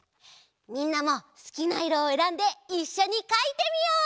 みんなもすきないろをえらんでいっしょにかいてみよう！